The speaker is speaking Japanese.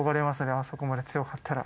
あそこまで強かったら。